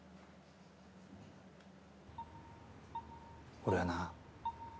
俺はな